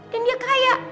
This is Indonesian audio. dan dia kaya